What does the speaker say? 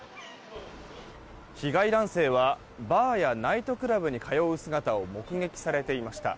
被害男性はバーやナイトクラブに通う姿を目撃されていました。